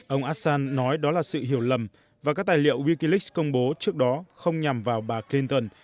ông assan nói đó là sự hiểu lầm và các tài liệu wikileaks công bố trước đó không nhằm vào bà clinton